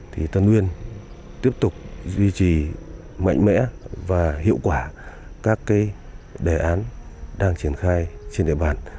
thì tân nguyên tiếp tục duy trì mạnh mẽ và hiệu quả các đề án đang triển khai trên địa bàn